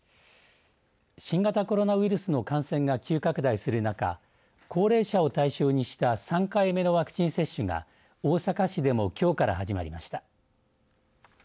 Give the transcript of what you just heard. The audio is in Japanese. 新型コロナウイルスの感染が急拡大する中高齢者を対象にした３回目のワクチン接種が大阪市でもきょうから始まりました。